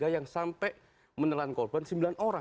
yang sampai menelan korban sembilan orang